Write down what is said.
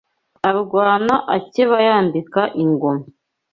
Arwana akeba yambika ingoma